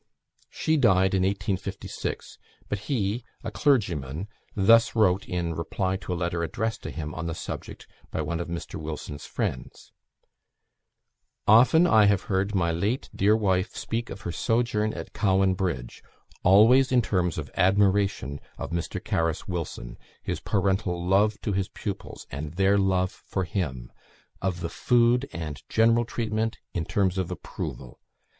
She died in 1856, but he, a clergyman, thus wrote in reply to a letter addressed to him on the subject by one of Mr. Wilson's friends: "Often have I heard my late dear wife speak of her sojourn at Cowan Bridge; always in terms of admiration of Mr. Carus Wilson, his parental love to his pupils, and their love for him; of the food and general treatment, in terms of approval.